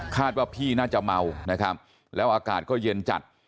ว่าพี่น่าจะเมานะครับแล้วอากาศก็เย็นจัด